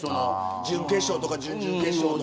準決勝とか、準々決勝とか。